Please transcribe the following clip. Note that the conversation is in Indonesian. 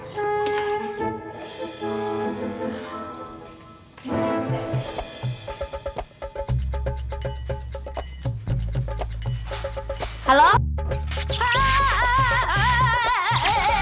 lu pake ketawa ketawa lagi